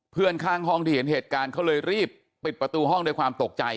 เพื่อนข้างห้องที่เห็นเหตุการณ์เขาเลยรีบปิดประตูห้องด้วยความตกใจ